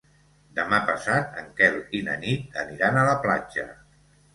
Demà passat en Quel i na Nit aniran a la platja.